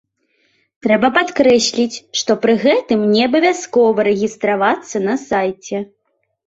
Трэба падкрэсліць, што пры гэтым не абавязкова рэгістравацца на сайце.